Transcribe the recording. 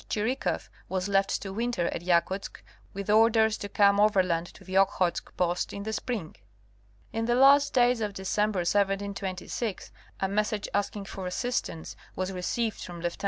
Chirikoff was left to winter at Yakutsk with orders to come overland to the Okhotsk post in the spring. In the last days of December, 1726, a message asking for assist ance was received from Lieut.